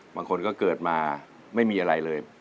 บางคนก็เกิดมาไม่มีอะไรเลย